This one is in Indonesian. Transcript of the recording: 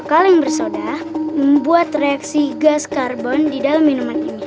kaleng bersoda membuat reaksi gas karbon di dalam minuman ini